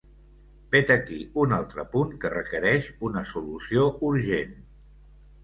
Vet aquí un altre punt que requereix una solució urgent.